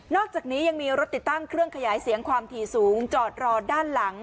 อกจากนี้ยังมีรถติดตั้งเครื่องขยายเสียงความถี่สูงจอดรอด้านหลัง